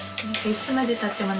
いつまでたっても。